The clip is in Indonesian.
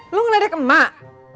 lu ngeladak ke mak